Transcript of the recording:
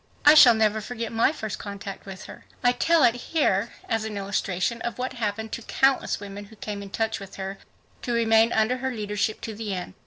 I shall never forget my first contact with her. I tell it here as an illustration of what happened to countless women who came in touch with her to remain under her leadership to the end.